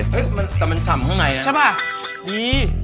เฮ้ยแต่มันฉ่ำข้างในอ่ะใช่ป่ะดี